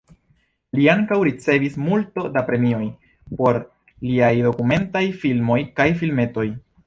Li ankaŭ ricevis multo da premioj por liaj dokumentaj filmoj kaj filmetoj.